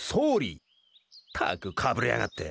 ったくかぶれやがって。